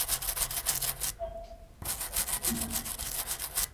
এখন এটি সাদা রঙের তিনতলা ভবন আছে।